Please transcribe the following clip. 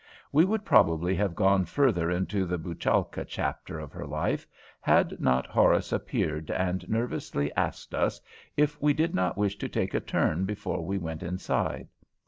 We would probably have gone further into the Bouchalka chapter of her life, had not Horace appeared and nervously asked us if we did not wish to take a turn before we went inside.